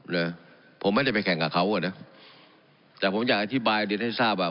นะผมไม่ได้ไปแข่งกับเขาอ่ะนะแต่ผมอยากอธิบายเรียนให้ทราบว่า